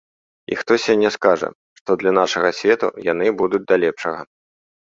І хто сёння скажа, што для нашага свету яны будуць да лепшага?!